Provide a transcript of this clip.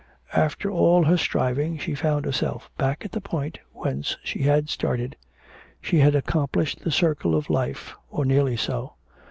After all her striving she found herself back at the point whence she had started; she had accomplished the circle of life, or nearly so.